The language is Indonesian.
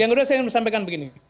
yang kedua saya ingin sampaikan begini